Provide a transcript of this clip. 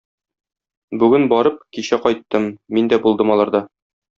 Бүген барып, кичә кайттым, мин дә булдым аларда.